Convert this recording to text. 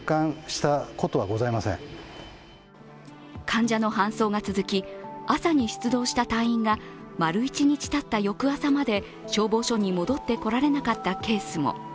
患者の搬送が続き、朝に出動した隊員が丸一日たった翌朝まで消防署に戻ってこられなかったケースも。